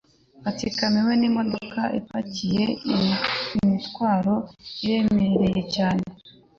batsikamiwe nkimodoka ipakiye imitwaro iremereye cyane